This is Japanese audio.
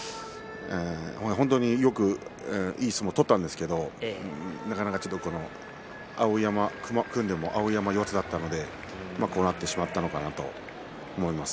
本当にいい相撲を取ったんですが組んでも碧山の四つだったのでこうなってしまったのかなと思います。